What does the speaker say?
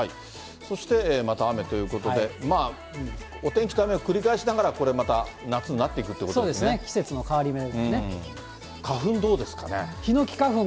そして、また雨ということで、お天気と雨を繰り返しながら、これまた夏になっていくということそうですね、季節の変わり目